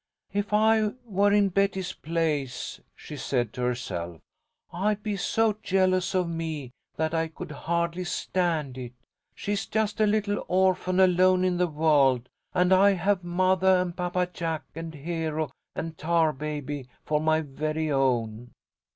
"If I were in Betty's place," she said to herself, "I'd be so jealous of me that I could hardly stand it. She's just a little orphan alone in the world, and I have mothah and Papa Jack and Hero and Tarbaby for my very own."